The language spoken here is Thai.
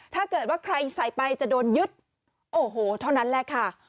ถ้าเกิดว่าใครใส่ไปจะโดนยึดโอ้โหเท่านั้นแหละค่ะ